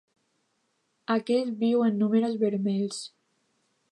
Aquest viu en números vermells.